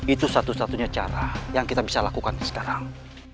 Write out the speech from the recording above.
itu satu satunya cara yang kita bisa lakukan sekarang